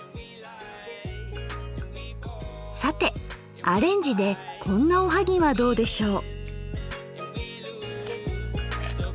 さてアレンジでこんなおはぎはどうでしょう。